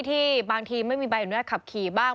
ที่บางทีไม่มีใบอนุญาตขับขี่บ้าง